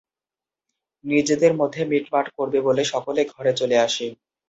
নিজেদের মধ্যে মিট-মাট করবে বলে সকলে ঘরে চলে আসে।